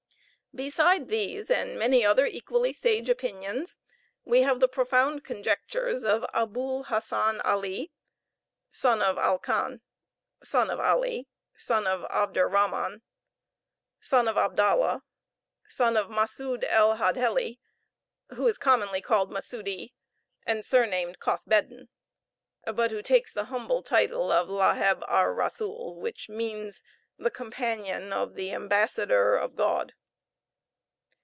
Beside these, and many other equally sage opinions, we have the profound conjectures of Aboul Hassan Aly, son of Al Khan, son of Aly, son of Abderrahman, son of Abdallah, son of Masoud el Hadheli, who is commonly called Masoudi, and surnamed Cothbeddin, but who takes the humble title of Laheb ar rasoul, which means the companion of the ambassador of God.